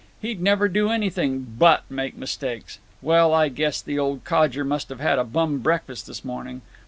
He'd never do anything but make mistakes! Well, I guess the old codger must have had a bum breakfast this morning.